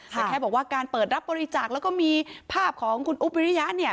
แต่แค่บอกว่าการเปิดรับบริจาคแล้วก็มีภาพของคุณอุ๊บวิริยะเนี่ย